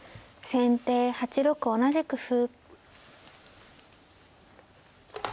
先手７五同じく歩。